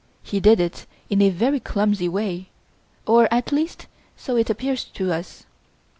He did it in a very clumsy way or, at least, so it appears to us.